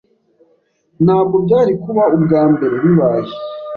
Ntabwo byari kuba ubwambere bibaye.